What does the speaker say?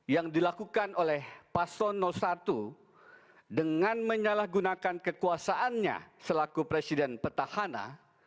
yang dilakukan oleh paslon satu dengan menyalahgunakan kekuasaannya selaku presiden petahana